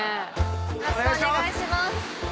よろしくお願いします。